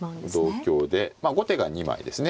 同香で後手が２枚ですね。